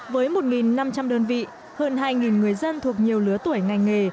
với một năm trăm linh đơn vị hơn hai người dân thuộc nhiều lứa tuổi ngành nghề